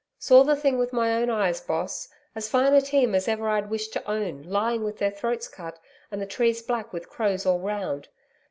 'Saw the thing with my own eyes, Boss. As fine a team as ever I'd wish to own, lying with their throats cut, and the trees black with crows all round.